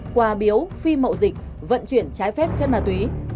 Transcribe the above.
quà biếu phi mậu dịch vận chuyển trái phép chất ma túy